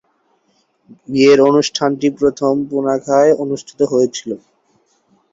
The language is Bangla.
বিয়ের অনুষ্ঠান টি প্রথম পুনাখায় অনুষ্ঠিত হয়েছিল।